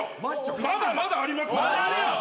まだまだあります。